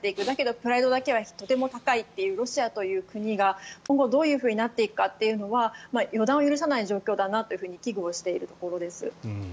だけどプライドだけはとても高いというロシアという国が今後どうなっていくかというのは予断を許さない状況だなと危惧をしているところです。